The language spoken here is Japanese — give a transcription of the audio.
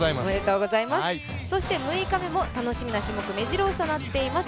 ６日目も楽しみな種目、めじろ押しとなっています。